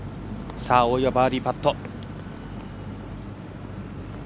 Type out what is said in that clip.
大岩、バーディーパット。